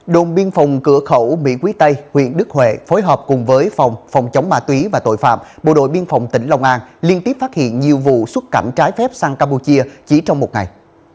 đồn biên phòng cửa khẩu mỹ quý tây huyện đức huệ phối hợp cùng với phòng phòng chống ma túy và tội phạm bộ đội biên phòng tỉnh long an liên tiếp phát hiện nhiều vụ xuất cảnh trái phép sang campuchia chỉ trong một ngày